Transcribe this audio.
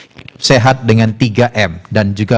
hidup sehat dengan tiga m dan juga